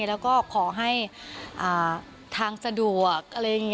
แล้วก็ขอให้ทางสะดวกอะไรอย่างนี้อย่างนี้